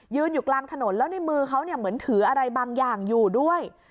อยู่กลางถนนแล้วในมือเขาเหมือนถืออะไรบางอย่างอยู่ด้วย